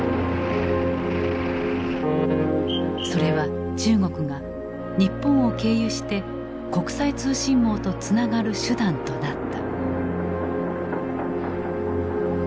それは中国が日本を経由して国際通信網とつながる手段となった。